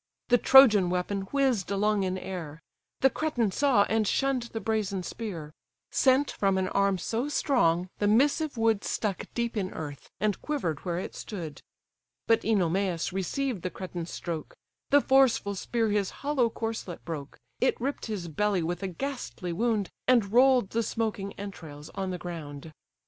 The Trojan weapon whizz'd along in air; The Cretan saw, and shunn'd the brazen spear: Sent from an arm so strong, the missive wood Stuck deep in earth, and quiver'd where it stood. But OEnomas received the Cretan's stroke; The forceful spear his hollow corslet broke, It ripp'd his belly with a ghastly wound, And roll'd the smoking entrails on the ground.